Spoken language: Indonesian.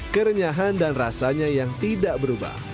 kerenyahan dan rasanya yang tidak berubah